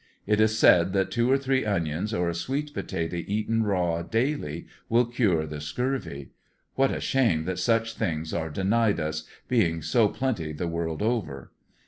It is said that two or three onions or a sweet potato eaten raw daily will cure the scurvy. What a shame that such things are denied us, being so plenty the world over.